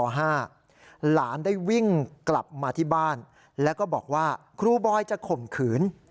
หลานได้วิ่งกลับมาที่บ้านแล้วก็บอกว่าครูบอยจะข่มขืน